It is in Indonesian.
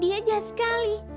dia jahat sekali